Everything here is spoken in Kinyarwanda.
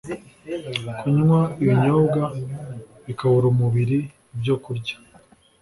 kunywa ibinyobwa bikabura umubiri Ibyokurya